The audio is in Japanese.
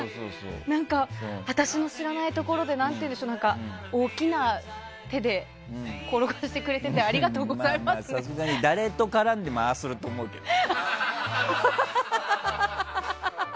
何か、私の知らないところで大きな手で転がしてくれててさすがに誰と絡んでもああすると思うけどね。